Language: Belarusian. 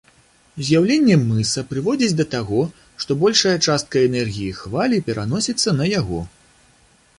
З'яўленне мыса прыводзіць да таго, што большая частка энергіі хвалі пераносіцца на яго.